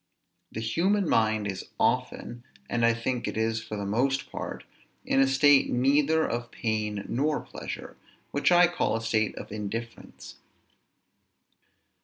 The human mind is often, and I think it is for the most part, in a state neither of pain nor pleasure, which I call a state of indifference.